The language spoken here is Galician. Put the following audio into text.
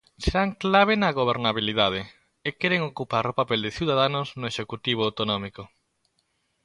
Serán clave na gobernabilidade, e queren ocupar o papel de Ciudadanos no executivo autonómico.